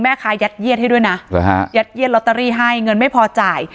คัดเยียดให้ด้วยนะยัดเยียดลอตเตอรี่ให้เงินไม่พอจ่าย